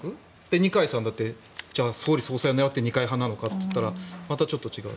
二階さんだって総理・総裁を狙って二階派なのかというとちょっと違う。